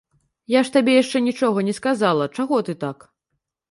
Я ж табе яшчэ нічога не сказала, чаго ты так!